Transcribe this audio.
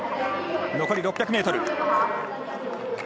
残り６００ｍ。